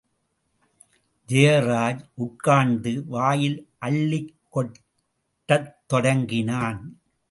ஜெயராஜ் உட்கார்ந்து வாயில் அள்ளிக் கொட்டத் தொடங்கினான்.